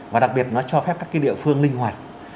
và đặc biệt nó cho phép các cái địa phương linh hoạt